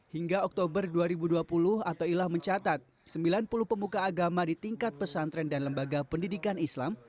hingga oktober dua ribu dua puluh atoilah ⁇ mencatat sembilan puluh pemuka agama di tingkat pesantren dan lembaga pendidikan islam